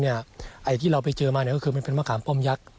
ไอ้ที่เราไปเจอมาก็คือมันเป็นมะขามป้อมยักษ์